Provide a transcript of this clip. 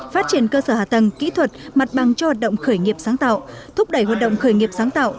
phát triển cơ sở hạ tầng kỹ thuật mặt bằng cho hoạt động khởi nghiệp sáng tạo thúc đẩy hoạt động khởi nghiệp sáng tạo